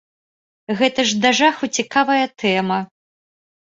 Гэта да жаху цікавая тэма.